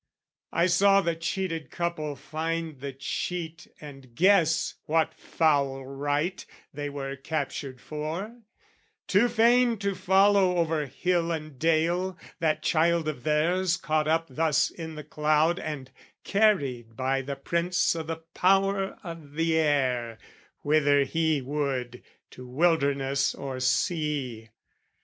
I saw the cheated couple find the cheat And guess what foul rite they were captured for, Too fain to follow over hill and dale That child of theirs caught up thus in the cloud And carried by the Prince o' the Power of the Air Whither he would, to wilderness or sea.